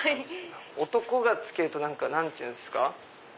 男がつけると何か何て言うんですか。